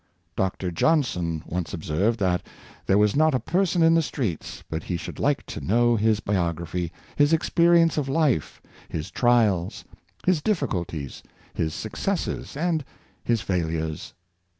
Dr. Johnson once observed that there was not a person in the streets but he should like to know his biography — his experience of life, his trials, his difficulties, his suc cesses and his failures.